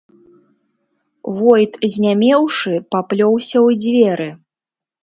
Войт, знямеўшы, паплёўся ў дзверы.